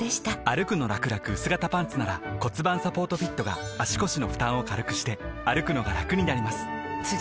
「歩くのらくらくうす型パンツ」なら盤サポートフィットが足腰の負担を軽くしてくのがラクになります覆个△